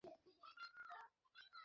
মফস্বল শহরের নামটা আমি বলতে চাচ্ছি না।